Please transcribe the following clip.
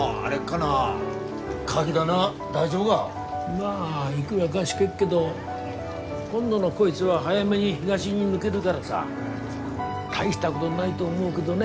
まあいくらかしけっけど今度のこいつは早めに東に抜げるからさ大したごどないと思うけどね